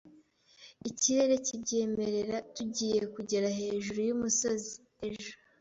Ikirere kibyemerera, tugiye kugera hejuru yumusozi ejo.